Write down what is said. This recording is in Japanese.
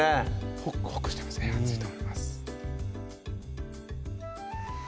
ホクホクしてますね熱いと思います